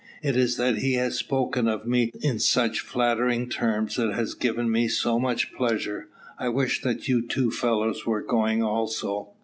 It is that he has spoken of me in such flattering terms that has given me so much pleasure. I wish that you two fellows were going also."